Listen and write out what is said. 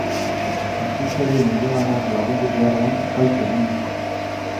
Itzultzaile neuronalak lagundu beharrean kalte egin dizu.